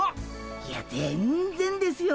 いや全然ですよ。